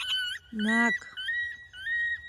🍐ناک